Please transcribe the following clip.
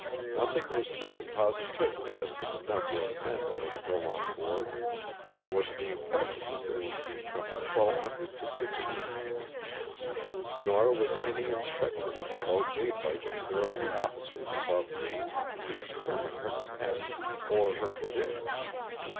Nothing was known positively as to the number of men that were to go on board, but it was the impression that there would be from 1,300 to 1,500 ; nor was any inspection of the boat made by either of the officers above named to determine her capacity or her condition.